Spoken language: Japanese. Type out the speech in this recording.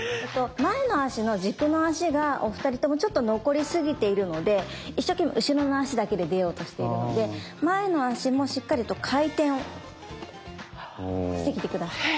前の足の軸の足がお二人ともちょっと残りすぎているので一生懸命後ろの足だけで出ようとしているので前の足もしっかりと回転してきて下さい。